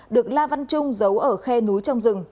được la văn trung giấu ở khe núi trong rừng